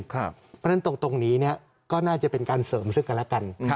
เพราะฉะนั้นตรงนี้ก็น่าจะเป็นการเสริมซึ่งกันแล้วกัน